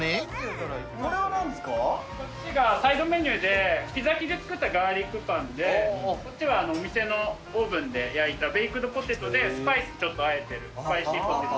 こっちがサイドメニューでピザ生地で作ったガーリックパンでこっちはお店のオーブンで焼いたベイクドポテトでスパイスちょっとあえてるスパイシーポテト。